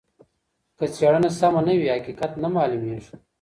که څېړنه سمه نه وي حقیقت نه معلوميږي.